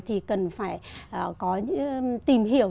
thì cần phải tìm hiểu